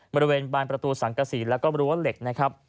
บริเวณบานประตูสังกษีแล้วก็รั้วเหล็กนะครับ